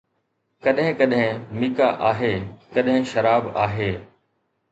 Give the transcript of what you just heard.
ڪڏھن ڪڏھن ميڪا آھي، ڪڏھن شراب آھي